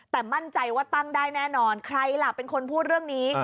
แต่มั่นใจว่าตั้งได้แน่นอนใครล่ะเป็นคนพูดเรื่องนี้